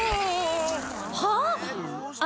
はあ？